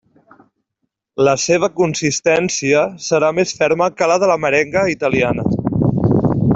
La seva consistència serà més ferma que la de la merenga italiana.